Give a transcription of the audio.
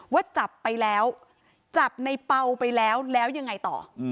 ว่าจับไปแล้วจับในเปล่าไปแล้วแล้วยังไงต่อ